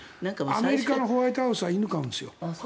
アメリカのホワイトハウスは犬を飼うんですよ。